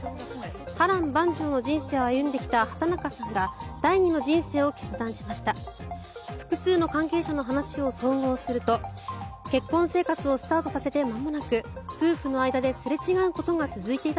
波乱万丈の人生を歩んできた畑中さんが第二の人生を決断しました。